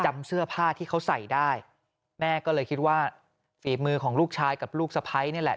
เสื้อผ้าที่เขาใส่ได้แม่ก็เลยคิดว่าฝีมือของลูกชายกับลูกสะพ้ายนี่แหละ